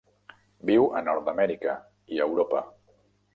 Viu a Nord-amèrica i Europa.